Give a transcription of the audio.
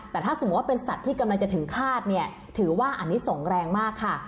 แต่ถ้าสมมุติว่าเป็นสัตว์ที่กำลังจะถึงฆาตเนี่ยถือว่าอันนี้ส่งแรงมากค่ะ